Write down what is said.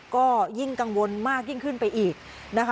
ก็ยิ่งกังวลมากยิ่งขึ้นไปอีกนะคะ